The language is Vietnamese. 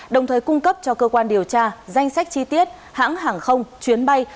đồng thời cung cấp cho cơ quan điều tra danh sách chi tiết hãng hàng không chuyến bay